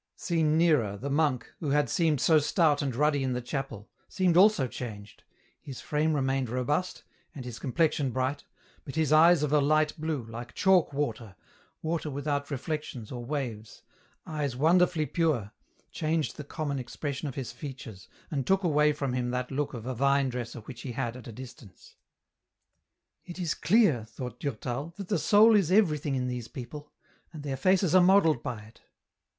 Seen nearer, the monk who had seemed so stout and ruddy in the chapel, seemed also changed, his frame re mained robust, and his complexion bright, but his eyes of a light blue, like chalk water, water without reflections or waves, eyes wonderfully pure, changed the common ex pression of his features, and took away from him that look oi a vine dresser which he had at a distance. I08 EN ROUTE. •' It is clear," thought Durtal, " that the soul is every thing in these people, and their faces are modelled by it.